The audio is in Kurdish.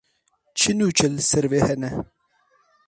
Çi nûçe li ser vê hene.